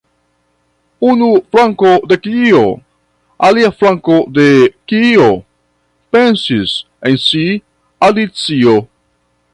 "Unu flanko de kio? Alia flanko de kio?" pensis en si Alicio.